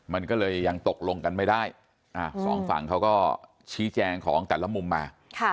มันก็เลยยังตกลงกันไม่ได้สองฝั่งเขาก็ชี้แจงของแต่ละมุมมา